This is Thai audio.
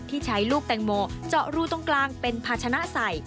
ที่ใช้ลูกแตงโมเจาะรูตรงกลางเป็นภาชนะใส่